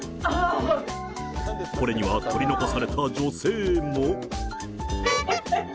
これには取り残された女性も。